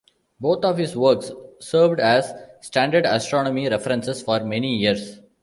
Both of his works served as standard astronomy references for many years.